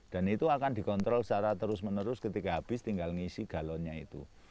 dan itu akan dikontrol secara terus menerus ketika habis tinggal mengisi galonnya itu